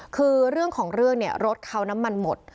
คือเรื่องของเรื่องเนี่ยรถเขาน้ำมันหมด